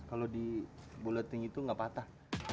kalau di bulat tinggi itu nggak patah